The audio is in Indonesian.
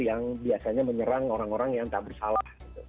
yang biasanya menyerang orang orang yang tak bersalah